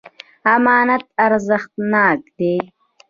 امانت ارزښتناک دی.